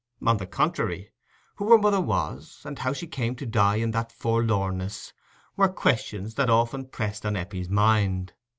On the contrary, who her mother was, and how she came to die in that forlornness, were questions that often pressed on Eppie's mind.